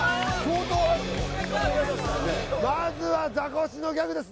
まずはザコシのギャグです